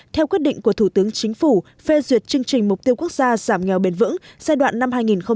theo quyết định của thủ tướng chính phủ phê duyệt chương trình mục tiêu quốc gia giảm nghèo bền vững giai đoạn năm hai nghìn hai mươi một hai nghìn hai mươi